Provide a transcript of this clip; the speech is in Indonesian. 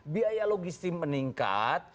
biaya logistik meningkat